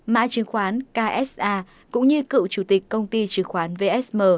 mã chứng khoán ksa cũng như cựu chủ tịch công ty chứng khoán vsm